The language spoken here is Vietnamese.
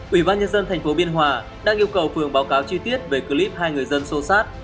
ủy ban nhân dân tp biên hòa đang yêu cầu phường báo cáo chi tiết về clip hai người dân sâu sát